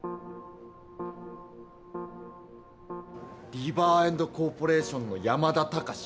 リバーエンドコーポレーションの山田隆史？